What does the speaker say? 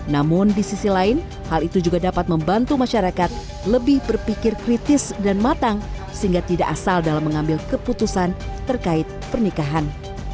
namun di sisi lain hal itu juga dapat membantu masyarakat lebih berpikir kritis dan matang sehingga tidak asal dalam mengambil keputusan terkait pernikahan